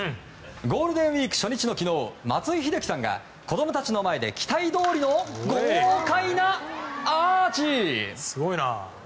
ゴールデンウィーク初日の昨日松井秀喜さんが子供たちの前で期待どおりの豪快なアーチ！